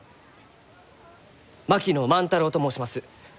槙野万太郎と申します。